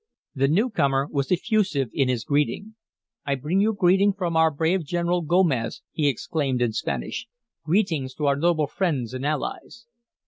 The newcomer was effusive in his greeting. "I bring you greeting from our brave general, Gomez," he exclaimed in Spanish. "Greetings to our noble friends and allies."